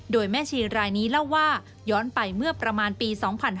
โดยแม่ชีรายนี้เล่าว่าย้อนไปเมื่อประมาณปี๒๕๕๙